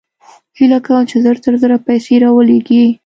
هېله کوم چې زر تر زره پیسې راولېږې